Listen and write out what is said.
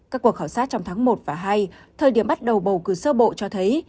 các cuộc khảo sát trong tháng một và hai thời điểm bắt đầu bầu cử sơ bộ cho thấy